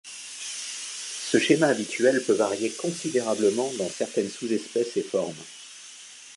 Ce schéma habituel peut varier considérablement dans certaines sous-espèces et formes.